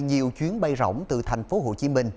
nhiều chuyến bay rộng từ thành phố hồ chí minh